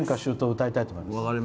歌いたいと思います。